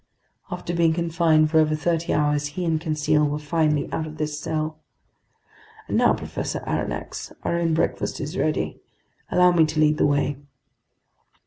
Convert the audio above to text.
After being confined for over thirty hours, he and Conseil were finally out of this cell. "And now, Professor Aronnax, our own breakfast is ready. Allow me to lead the way."